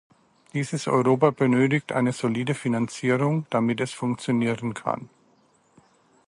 Dieses Europa benötigt eine solide Finanzierung, damit es funktionieren kann.